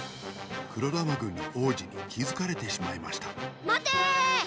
黒玉軍の王子にきづかれてしまいましたまてーー！